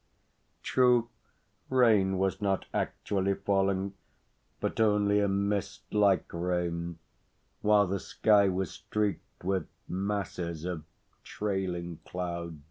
True, rain was not actually falling, but only a mist like rain, while the sky was streaked with masses of trailing cloud.